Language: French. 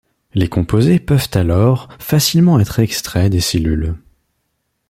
Les composés peuvent alors facilement être extraits des cellules.